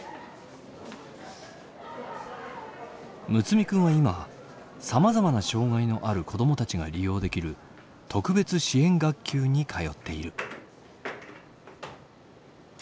睦弥君は今さまざまな障害のある子どもたちが利用できる特別支援学級に通っている。